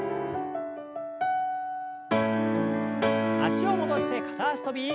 脚を戻して片脚跳び。